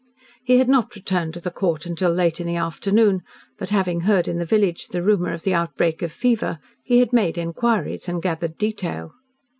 He had not returned to the Court until late in the afternoon, but having heard in the village the rumour of the outbreak of fever, he had made inquiries and gathered detail.